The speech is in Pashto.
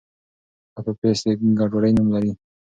اپوفیس د ګډوډۍ نوم لري.